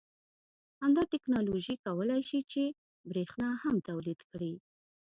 همدا تکنالوژي کولای شي چې بریښنا هم تولید کړي